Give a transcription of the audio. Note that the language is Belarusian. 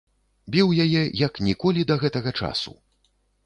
Біў яе як ніколі да гэтага часу.